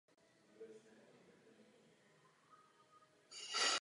Tato otázka byla pouze odložena, nikoliv vyřešena.